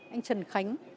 anh trần khánh